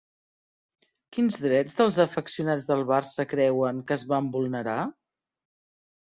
Quins drets dels afeccionats del Barça creuen que es van vulnerar?